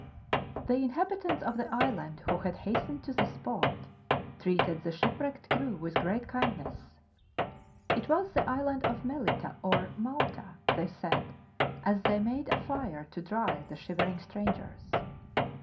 The inhabitants of the island, who had hastened to the spot, treated the shipwrecked crew with great kindness. It was the Island of Melita, or Malta, they said, as they made a fire to dry the shivering strangers.